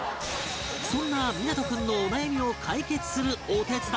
そんな湊君のお悩みを解決するお手伝い